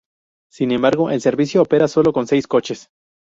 Sin embargo, el servicio opera solo con seis coches.